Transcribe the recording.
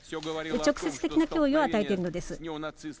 直接的な脅威を与えているのです。